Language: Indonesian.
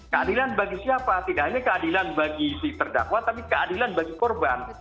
keadilan bagi siapa tidak hanya keadilan bagi si terdakwa tapi keadilan bagi korban